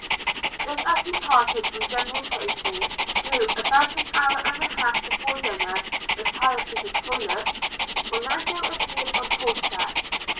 Just as he parted from General Tracy, who about an hour and a half before dinner retired to his toilet, Orlando appeared on horseback.